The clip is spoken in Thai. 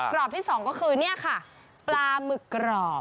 กรอบที่๒ก็คือนี่ค่ะปลาหมึกกรอบ